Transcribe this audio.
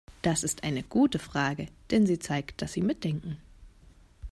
Das ist eine gute Frage, denn sie zeigt, dass Sie mitdenken.